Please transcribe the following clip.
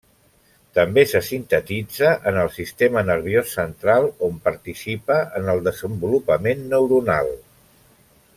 També se sintetitza en el sistema nerviós central on participa en el desenvolupament neuronal.